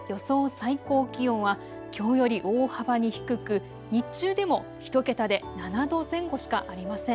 最高気温はきょうより大幅に低く日中でも１桁で７度前後しかありません。